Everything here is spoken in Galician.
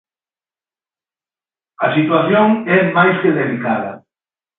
A situación é máis que delicada.